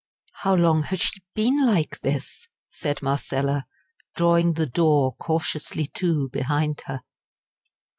"How long has she been like this?" said Marcella, drawing the door cautiously to behind her.